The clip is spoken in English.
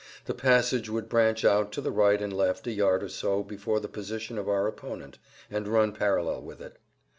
The passage would branch out to the right and left a yard or so before the position of our opponent, and run parallel with it.